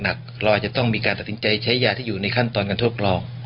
เราอาจจะต้องมีการตัดสินใจใช้ยาที่อยู่ในขั้นตอนการทดลอง